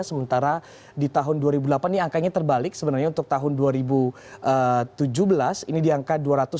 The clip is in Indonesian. sementara di tahun dua ribu delapan ini angkanya terbalik sebenarnya untuk tahun dua ribu tujuh belas ini di angka dua ratus tujuh puluh